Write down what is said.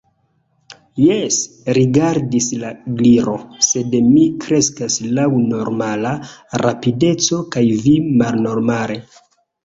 "Jes," respondis la Gliro. "Sed mi kreskas laŭ normala rapideco, kaj vi malnormale!"